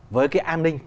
với cái an ninh